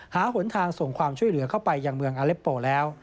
หนทางส่งความช่วยเหลือเข้าไปยังเมืองอเล็ปโปแล้ว